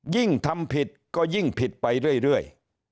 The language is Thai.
ทำผิดก็ยิ่งผิดไปเรื่อย